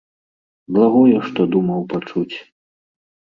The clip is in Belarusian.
Благое што думаў пачуць.